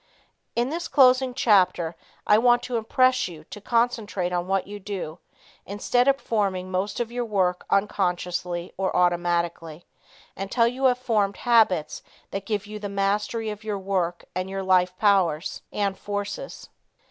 In this closing chapter, I want to impress you to concentrate on what you do, instead of performing most of your work unconsciously or automatically, until you have formed habits that give you the mastery of your work and your life powers and forces.